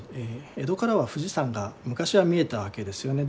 江戸からは富士山が昔は見えたわけですよね。